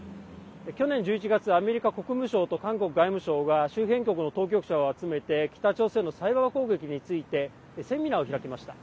去年１１月アメリカ国務省と韓国外務省が周辺国の当局者を集めて北朝鮮のサイバー攻撃についてセミナーを開きました。